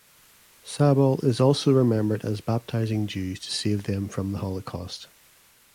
Sabol is also remembered as baptizing Jews to save them from the Holocaust.